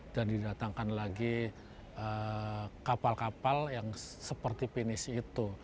dan didatangkan lagi kapal kapal yang seperti finish itu